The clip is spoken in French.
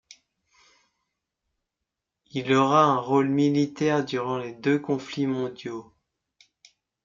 Il aura un rôle militaire durant les deux conflits mondiaux.